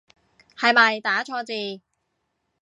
係咪打錯字